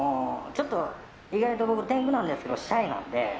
意外と僕、天狗なんですけどシャイなので。